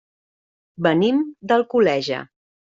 Venim d'Alcoleja.